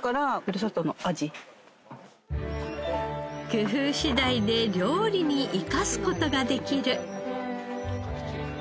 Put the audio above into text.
工夫次第で料理に生かす事ができる。